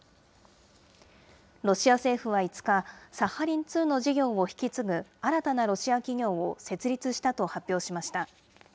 ロシア政府は５日、サハリン２の事業を引き継ぐ、新たなロシア企業を設立したと発表しました。